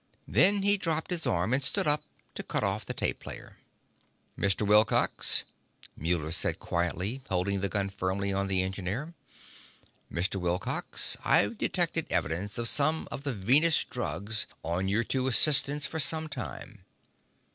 Then he dropped his arm and stood up, to cut off the tape player. "Mr. Wilcox," Muller said quietly, holding the gun firmly on the engineer. "Mr. Wilcox, I've detected evidence of some of the Venus drugs on your two assistants for some time.